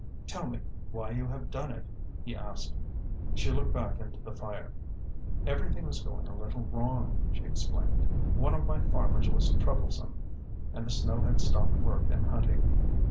"Tell me why you have done it?" he asked. She looked back into the fire. "Everything was going a little wrong," she explained. "One of my farmers was troublesome, and the snow has stopped work and hunting.